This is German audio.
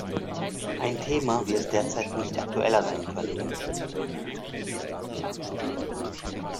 Ein Thema, wie es derzeit nicht aktueller sein könnte.